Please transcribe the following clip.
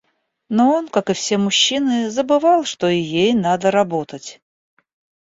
Но он, как и все мужчины, забывал, что и ей надо работать.